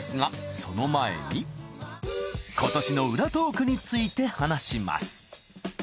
今年の裏トークについて話します